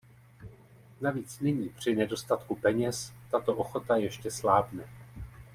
Navíc nyní při nedostatku peněz tato ochota ještě slábne.